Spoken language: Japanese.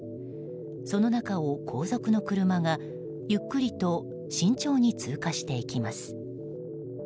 その中を、後続の車がゆっくりと慎重に通過していきます。